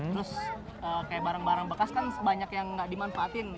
terus kayak barang barang bekas kan banyak yang nggak dimanfaatin